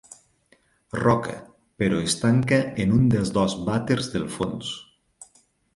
Roca, però es tanca en un dels dos vàters del fons.